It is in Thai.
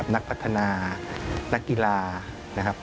นักพัฒนานักกีฬา